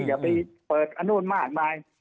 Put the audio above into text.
อย่าไปเปิดอันนู่นมากมาย